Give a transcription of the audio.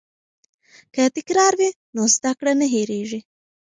که تکرار وي نو زده کړه نه هیریږي.